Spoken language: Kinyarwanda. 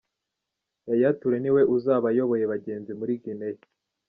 Yaya Toure niwe uzaba ayoboye bagenzi muri Guinea.